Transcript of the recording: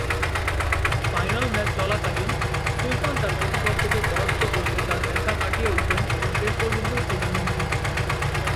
Final match চলাকালীন, সুলতান তার প্রতিপক্ষকে পরাস্ত করতে তার ব্যথা কাটিয়ে উঠেন এবং শেষ পর্যন্ত টুর্নামেন্ট জিতেন।